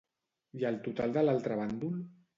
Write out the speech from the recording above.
I el total de l'altre bàndol?